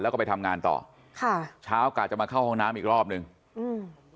แล้วก็ไปทำงานต่อค่ะเช้ากะจะมาเข้าห้องน้ำอีกรอบหนึ่งอืม